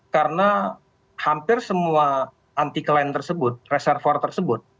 karena hampir semua anti client tersebut reservoir tersebut